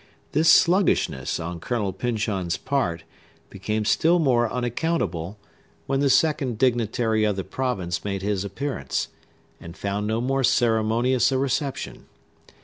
This sluggishness on Colonel Pyncheon's part became still more unaccountable, when the second dignitary of the province made his appearance, and found no more ceremonious a reception.